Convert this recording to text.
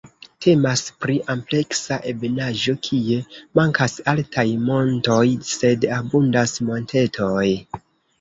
Temas pri ampleksa ebenaĵo kie mankas altaj montoj, sed abundas montetoj.